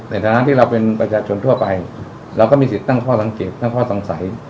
ในฐานะที่เราเป็นประชาชนทั่วไปเราก็มีสิทธิ์ตั้งข้อสังเกตตั้งข้อสงสัย